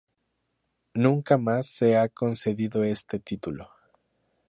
Nunca más se ha concedido este título.